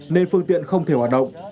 nên phương tiện không thể hoạt động